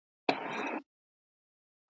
چي بهانه سي درته ګرانه پر ما ښه لګیږي `